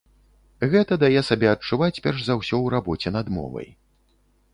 Гэта дае сабе адчуваць перш за ўсё ў рабоце над мовай.